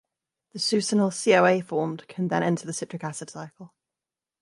The succinyl-CoA formed can then enter the citric acid cycle.